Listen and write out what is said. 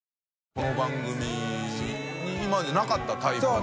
この番組に今までなかったタイプの。